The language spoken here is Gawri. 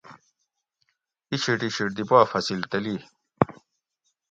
اِچِھیٹ اِچِھیت دی پا فصِل تلی